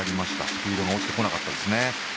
スピードが落ちてこなかったですね。